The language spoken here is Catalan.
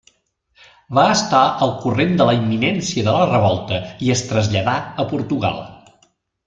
Va estar al corrent de la imminència de la revolta i es traslladà a Portugal.